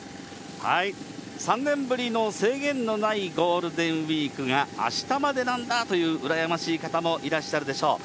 ３年ぶりの制限のないゴールデンウィークがあしたまでなんだという、羨ましい方もいらっしゃるでしょう。